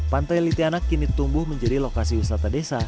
pantai litianak kini tumbuh menjadi lokasi wisata desa